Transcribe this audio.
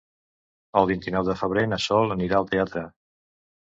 El vint-i-nou de febrer na Sol anirà al teatre.